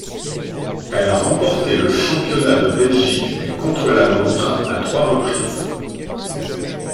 Elle a remporté le championnat de Belgique du contre-la-montre à trois reprises.